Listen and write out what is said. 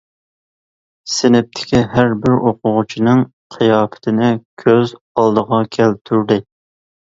سىنىپتىكى ھەر بىر ئوقۇغۇچىنىڭ قىياپىتىنى كۆز ئالدىغا كەلتۈردى.